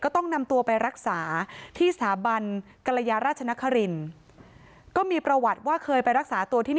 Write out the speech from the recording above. ก็ต้องนำตัวไปรักษาที่สถาบัน